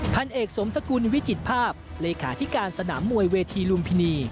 พันเอกสมสกุลวิจิตภาพเลขาธิการสนามมวยเวทีลุมพินี